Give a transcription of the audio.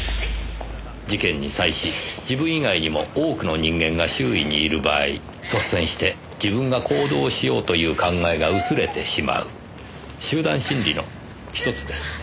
事件に際し自分以外にも多くの人間が周囲にいる場合率先して自分が行動しようという考えが薄れてしまう集団心理の１つです。